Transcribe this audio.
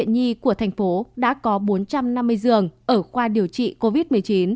một bệnh viện của thành phố đã có bốn trăm năm mươi giường ở khoa điều trị covid một mươi chín